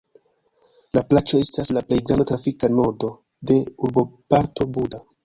La placo estas la plej granda trafika nodo de urboparto Buda.